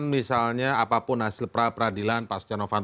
manfaat ini yg dia sangkubin